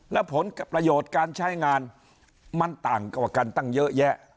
และผลประโยชน์การใช้งานมันต่างกว่ากันตั้งเยอะแยะ